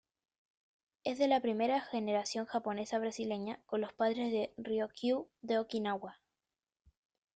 Es de una primera generación japonesa-brasileña, con los padres de Ryukyu de Okinawa.